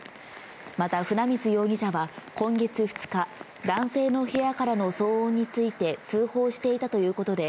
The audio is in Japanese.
また、船水容疑者は今月２日、男性の部屋からの騒音について通報していたということで、